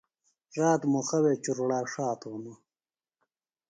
رات مُخہ وے چُڑوڑا ݜاتوۡ ہِنوۡ